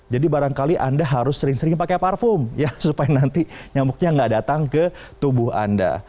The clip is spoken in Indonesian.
jadi barangkali anda harus sering sering pakai parfum ya supaya nanti nyamuknya nggak datang ke tubuh anda